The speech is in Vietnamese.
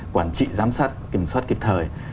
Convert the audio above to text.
quản trị giám sát kiểm soát kịp thời